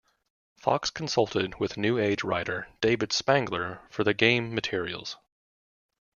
Fox consulted with New Age writer David Spangler for the game materials.